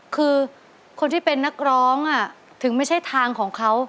คือคนที่เป็นนักร้องถึงไม่ใช่ทางของเขา